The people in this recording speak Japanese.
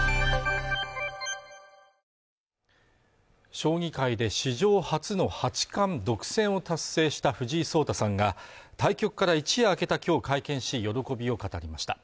将棋界で史上初の八冠独占を達成した藤井聡太さんが対局から一夜明けたきょう会見し喜びを語りました